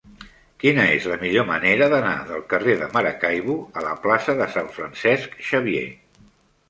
Quina és la millor manera d'anar del carrer de Maracaibo a la plaça de Sant Francesc Xavier?